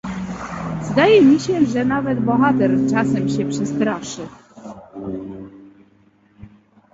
"Zdaje mi się, że nawet bohater czasem się przestraszy."